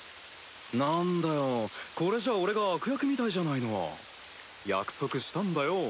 なんだよこれじゃあ俺が悪役みたいじゃないの約束したんだよ